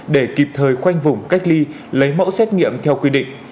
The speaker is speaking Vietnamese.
để kịp thời khoanh vùng cách ly lấy mẫu xét nghiệm theo quy định